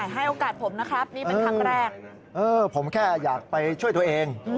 ให้เป็นขั้นแรกผมนะครับเออผมแค่อยากไปช่วยตัวเอง